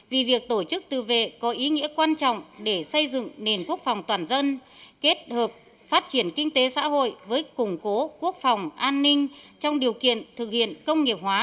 vì việc tổ chức tự vệ có ý nghĩa quan trọng để xây dựng nền quốc phòng toàn dân kết hợp phát triển kinh tế xã hội với củng cố quốc phòng an ninh trong điều kiện thực hiện công nghiệp hóa